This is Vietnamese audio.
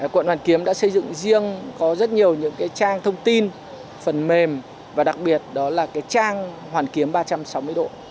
quận hoàn kiếm đã xây dựng riêng có rất nhiều những trang thông tin phần mềm và đặc biệt đó là trang hoàn kiếm ba trăm sáu mươi độ